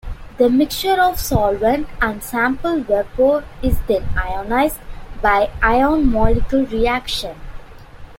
The mixture of solvent and sample vapor is then ionized by ion-molecule reaction.